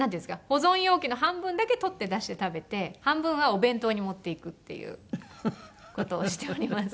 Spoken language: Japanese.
保存容器の半分だけ取って出して食べて半分はお弁当に持っていくっていう事をしております。